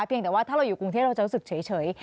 เพียงแต่ว่าถ้าเราอยู่กรุงเทพเราจะรู้สึกเฉย